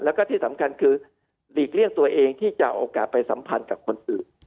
แล้วก็ที่สำคัญคือหลีกเลี่ยงตัวเองที่จะโอกาสไปสัมพันธ์กับคนอื่น